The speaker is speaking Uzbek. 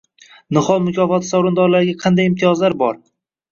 «Nihol» mukofoti sovrindorlariga qanday imtiyozlar bor?